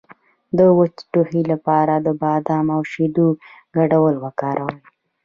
د وچ ټوخي لپاره د بادام او شیدو ګډول وکاروئ